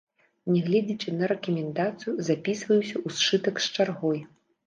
Нягледзячы на рэкамендацыю, запісваюся ў сшытак з чаргой.